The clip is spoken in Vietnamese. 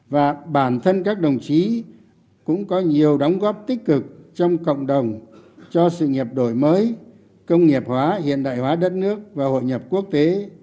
và bản thân các đồng chí cũng có nhiều đóng góp tích cực trong cộng đồng cho sự nghiệp đổi mới công nghiệp hóa hiện đại hóa đất nước và hội nhập quốc tế